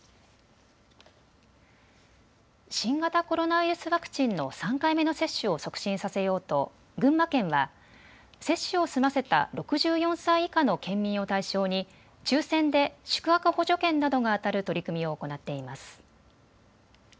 新型コロナウイルスワクチンの３回目の接種を促進させようと群馬県は接種を済ませた６４歳以下の県民を対象に抽せんで宿泊補助券などが当たる取り組みを行っています。